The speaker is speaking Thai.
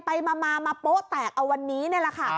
ไปมาโป๊ะแตกเอาวันนี้นี่แหละค่ะ